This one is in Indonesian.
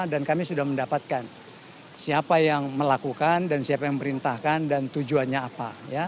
dan kami sudah mendapatkan siapa yang melakukan dan siapa yang memerintahkan dan tujuannya apa